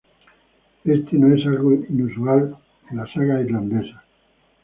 Esto no es algo inusual en las sagas islandesas.